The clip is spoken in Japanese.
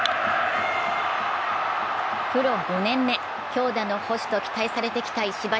プロ５年目、強打の捕手と期待されてきた石橋。